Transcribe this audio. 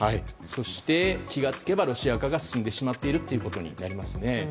そして、気が付けばロシア化が進んでしまっているということになりますね。